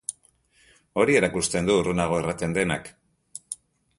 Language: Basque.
Hori erakusten du urrunago erraten denak.